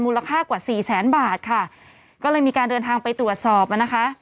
ค่ากว่าสี่แสนบาทค่ะก็เลยมีการเดินทางไปตรวจสอบมานะคะ